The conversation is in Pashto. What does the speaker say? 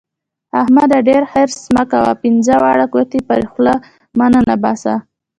احمده! ډېر حرص مه کوه؛ پينځه واړه ګوتې پر خوله مه ننباسه.